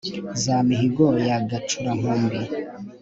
za mihigo ya gacura-nkumbi